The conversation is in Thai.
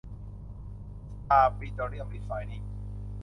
สตาร์ ปิโตรเลียม รีไฟน์นิ่ง